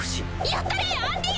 やったれアンディ！